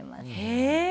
へえ！